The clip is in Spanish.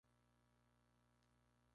Nunca quiere ir a los entrenamientos.